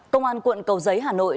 công an quận cầu giấy hà nội